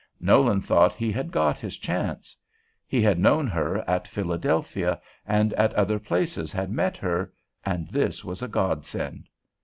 Nolan thought he had got his chance. He had known her at Philadelphia, and at other places had met her, and this was a Godsend.